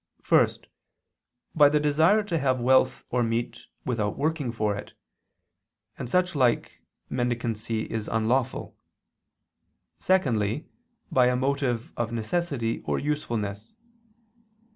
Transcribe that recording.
First, by the desire to have wealth or meat without working for it, and such like mendicancy is unlawful; secondly, by a motive of necessity or usefulness.